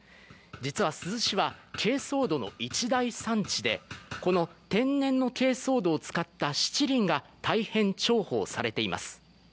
実は珠洲市はけいそう土の一大産地でこの天然のけいそう土を使ったしちりんが大変重宝されています。